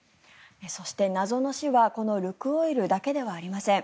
そして、謎の死はこのルクオイルだけではありません。